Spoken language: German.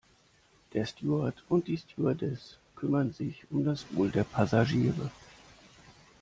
Der Steward und die Stewardess kümmern sich um das Wohl der Passagiere.